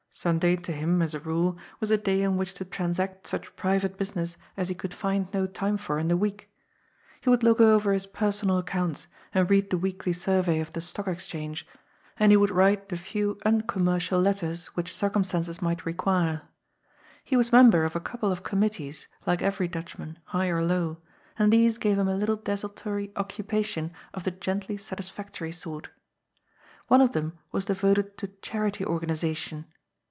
Sunday to him, as a rule, was a day on which to transact such private business as he could find MUSIC AND DISCORD, 197 no time for in the week. He would look over bis personal accounts and read the weekly survey of the Stock Exchange, and he would write the few uncommercial letters which circumstances might require. He was member of a couple of committees, like every Dutchman, high or low, and these gave him a little desultory occupation of the gently satis factory sort. One of them was devoted to Charity Organ ization.